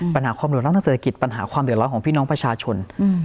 ปัญหาความเดือดร้อนทางเศรษฐกิจปัญหาความเดือดร้อนของพี่น้องประชาชน